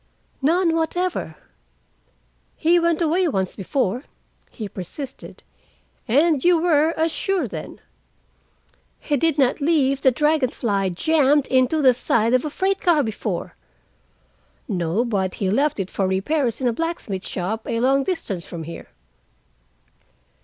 "None whatever." "He went away once before," he persisted. "And you were as sure then." "He did not leave the Dragon Fly jammed into the side of a freight car before." "No, but he left it for repairs in a blacksmith shop, a long distance from here.